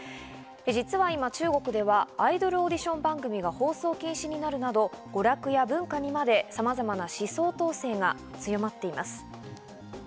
実は今、中国ではアイドルオーディション番組が放送禁止になるなど、娯楽や文化にまでさまざまな思想統制が強まっています。